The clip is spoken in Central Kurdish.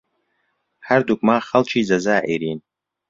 هەردووکمان خەڵکی جەزائیرین.